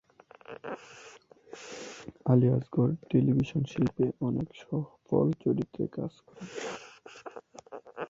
Ali Asgar television শিল্পে অনেক সফল চরিত্রে কাজ করেন।